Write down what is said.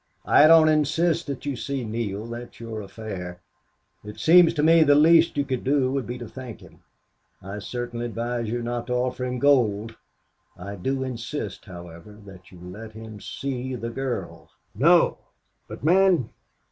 I don't insist that you see Neale. That's your affair. It seems to me the least you could do would be to thank him. I certainly advise you not to offer him gold. I do insist, however, that you let him see the girl!" "No!" "But, man....